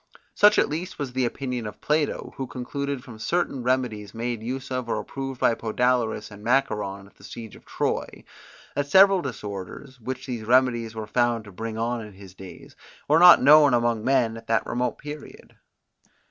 Such at least was the opinion of Plato, who concluded from certain remedies made use of or approved by Podalyrus and Macaon at the Siege of Troy, that several disorders, which these remedies were found to bring on in his days, were not known among men at that remote period.